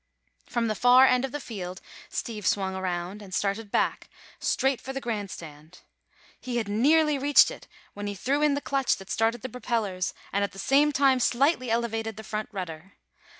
From the far end of the field Steve swung around and started back, straight for the grand stand. He had nearly reached it when he threw in the clutch that started the propellers and at the same time slightly elevated the front rudder.